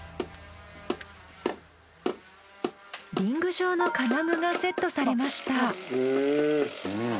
リング状の金具がセットされました。